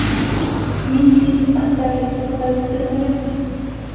Мин бит, атай, турғай үҫтермәйем.